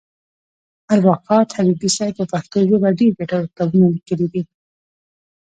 اروا ښاد حبیبي صاحب په پښتو ژبه ډېر ګټور کتابونه لیکلي دي.